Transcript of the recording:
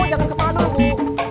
jangan kemana bu